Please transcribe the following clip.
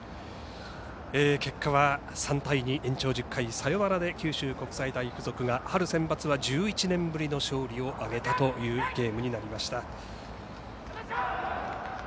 結果は３対２延長１０回サヨナラで九州国際大付属が春センバツは１１年ぶりの勝利を挙げたというゲームになりました。